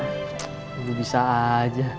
tuh ibu bisa aja